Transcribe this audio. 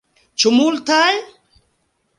Ĉu multaj?